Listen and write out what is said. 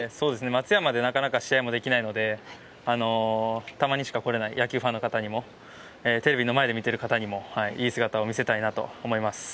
松山でなかなか試合もできないのでたまにしか来れない野球ファンの方にもテレビの前で見ている方にもいい姿を見せたいなと思います。